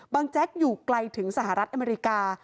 แจ๊กอยู่ไกลถึงสหรัฐอเมริกา